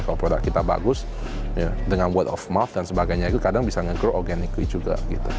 kalau produk kita bagus dengan world of mouth dan sebagainya itu kadang bisa ngekro oganicweet juga